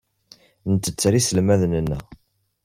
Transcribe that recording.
Nettetter iselmaden-nneɣ.